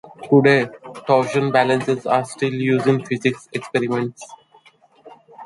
Today torsion balances are still used in physics experiments.